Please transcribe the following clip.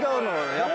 やっぱり。